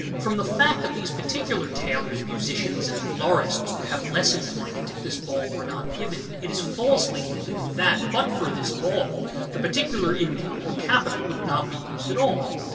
From the fact that these particular tailors, musicians, and florists would have less employment if this ball were not given, it is falsely concluded that, but for this ball, this particular income, or capital, would not be used at all.